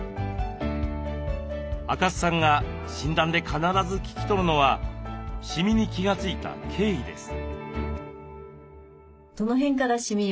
赤須さんが診断で必ず聞き取るのはシミに気が付いた経緯です。